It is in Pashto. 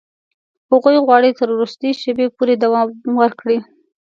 هغوی غواړي تر وروستي شېبې پورې دوام ورکړي.